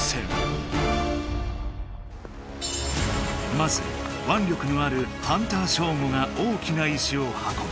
まずわん力のあるハンターショーゴが大きな石を運ぶ。